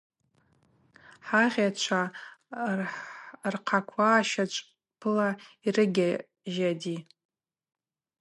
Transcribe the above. Хӏагъачва рхъаква щачвпыла йрыгьажьиди.